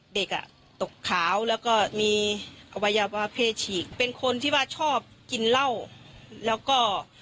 เด็กอ่ะตกขาวแล้วก็มีอวัยวะเพศฉีกเป็นคนที่ว่าชอบกินเหล้าแล้วก็